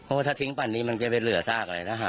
เพราะว่าถ้าทิ้งผ่านนี้มันก็จะเป็นเหลือซากเลยนะฮะ